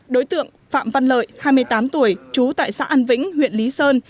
đối tượng phạm văn lợi hai mươi tám tuổi trú tại xã an vĩnh huyện lý sơn